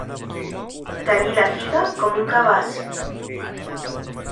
Tenir la figa com un cabàs.